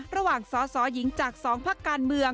ระหว่างสอหญิงจากสองพักการเมือง